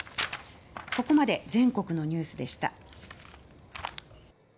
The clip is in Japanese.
ここまで全国のニュースでした。